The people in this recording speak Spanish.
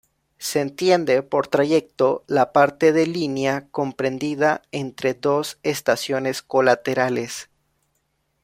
Se entiende por trayecto la parte de línea comprendida entre dos estaciones colaterales.